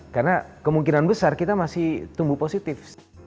karena kemungkinan besar kita masih tumbuh positif